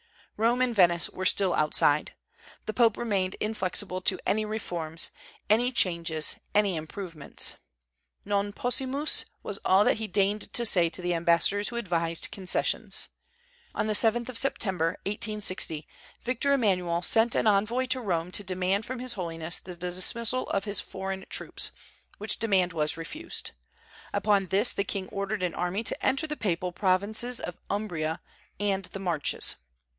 Rome and Venice were still outside. The Pope remained inflexible to any reforms, any changes, any improvements. Non possumus was all that he deigned to say to the ambassadors who advised concessions. On the 7th of September, 1860, Victor Emmanuel sent an envoy to Rome to demand from his Holiness the dismissal of his foreign troops; which demand was refused. Upon this, the king ordered an army to enter the papal provinces of Umbria and the Marches.